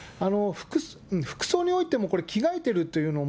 服装においても、着替えてるというのも、